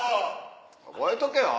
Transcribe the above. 覚えとけよ。